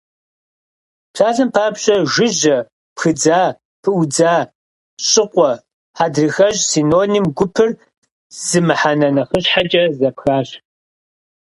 Псалъэм папщӏэ, жыжьэ, пхыдза, пыӀудза, щӀыкъуэ, хьэдрыхэщӀ – синоним гупыр зы мыхьэнэ нэхъыщхьэкӀэ зэпхащ.